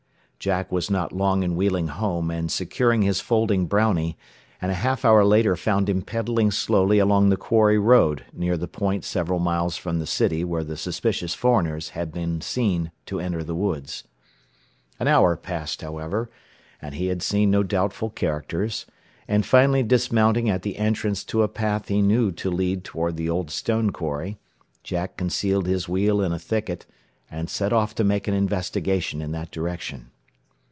Jack was not long in wheeling home and securing his folding Brownie; and a half hour later found him pedalling slowly along the quarry road near the point several miles from the city where the suspicious foreigners had been seen to enter the woods. An hour passed, however, and he had seen no doubtful characters, and finally dismounting at the entrance to a path he knew to lead toward the old stone quarry, Jack concealed his wheel in a thicket, and set off to make an investigation in that direction.